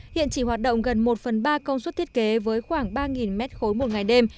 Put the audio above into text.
hiện chỉ hoạt động gần một phần ba công suất thiết kế với khoảng ba mét khối một ngày đêm